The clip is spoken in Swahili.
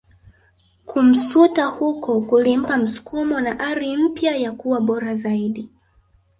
Kumsuta huko kulimpa msukumo na ari mpya ya kuwa bora zaidi